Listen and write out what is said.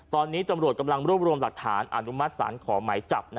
ตอนนี้ตำรวจกำลังรวบรวมหลักฐานอนุมัติศาลขอหมายจับ